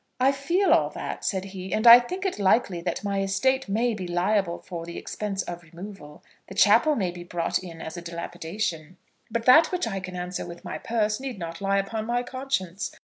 "I feel all that," said he; "and I think it likely that my estate may be liable for the expense of removal. The chapel may be brought in as a dilapidation. But that which I can answer with my purse, need not lie upon my conscience.